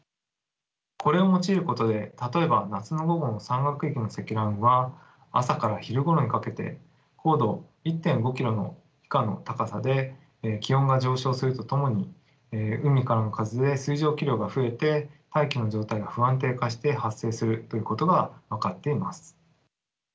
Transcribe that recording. これを用いることで例えば夏の午後の山岳域の積乱雲は朝から昼ごろにかけて高度１．５キロ以下の高さで気温が上昇するとともに海からの風で水蒸気量が増えて大気の状態が不安定化して発生するということが分かっています。